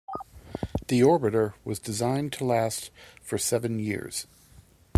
The orbiter was designed to last for seven years.